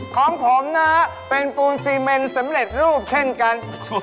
ของผมนะฮะเป็นปูนซีเมนสำเร็จรูปเช่นกัน